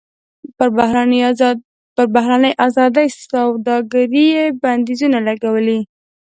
پر بهرنۍ ازادې سوداګرۍ یې بندیزونه لګولي.